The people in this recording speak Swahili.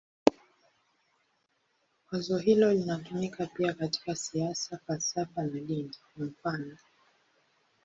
Wazo hilo linatumika pia katika siasa, falsafa na dini, kwa mfanof.